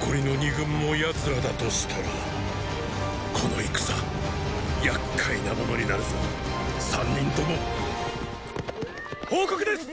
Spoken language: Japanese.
残りの二軍も奴らだとしたらこの戦厄介なものになるぞ三人とも報告です！